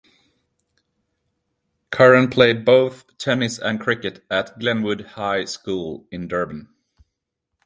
Curren played both tennis and cricket at Glenwood High School in Durban.